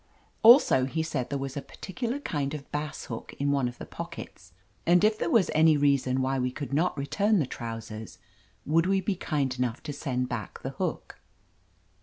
Also, he said there was a particular kind of bass hook in one of the pockets, and if there was any reason why we could not return the trousers, would we be kind enough to send back the hook.